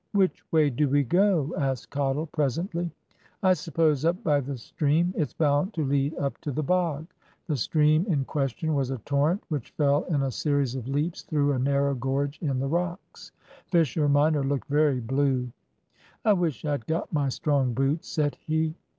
"Which way do we go?" asked Cottle presently. "I suppose up by the stream. It's bound to lead up to the bog." The stream in question was a torrent which fell in a series of leaps through a narrow gorge in the rocks. Fisher minor looked very blue. "I wish I'd got my strong boots," said he.